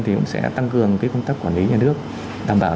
thì cũng sẽ tăng cường cái công tác quản lý nhà nước đảm bảo